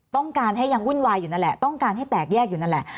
ต้องการให้ยังวุ่นวายอยู่นั่นแหละต้องการให้แตกแยกอยู่นั่นแหละ